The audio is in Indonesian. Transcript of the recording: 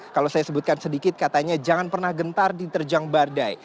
kalau saya sebutkan sedikit katanya jangan pernah gentar diterjang badai